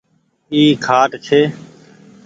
اي کآٽ ڇي